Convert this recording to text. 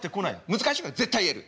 難しいけど絶対言える。